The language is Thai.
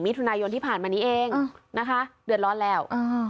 มิถุนายนที่ผ่านมานี้เองนะคะเดือดร้อนแล้วอ่า